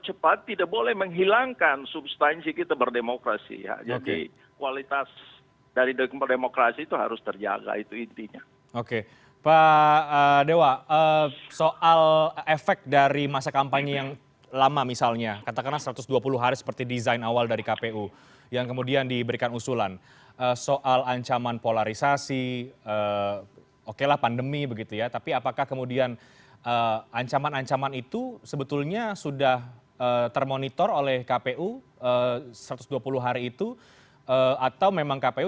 satu kubu adalah mempertimbangkan soal apa ketaturan gitu